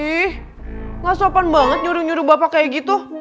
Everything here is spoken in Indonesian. ih ngasopan banget nyuruh nyuruh bapak kayak gitu